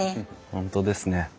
本当ですね。